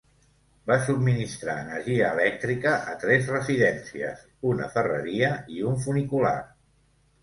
Va subministrar energia elèctrica a tres residències, una ferreria i un funicular.